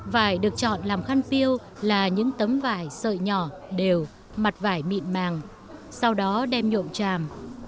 vải được chọn làm khăn piêu là những tấm vải sợi nhỏ đều mặt vải mịn màng sau đó đem nhộm tràm